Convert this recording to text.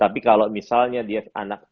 tapi kalau misalnya dia anak